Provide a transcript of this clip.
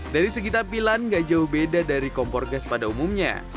dari segi tampilan gak jauh beda dari kompor gas pada umumnya